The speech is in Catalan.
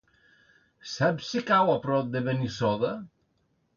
Saps si cau a prop de Benissoda?